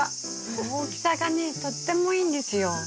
大きさがねとってもいいんですよ。